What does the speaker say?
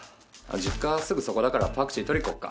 実家すぐそこだからパクチー取りに行こうか。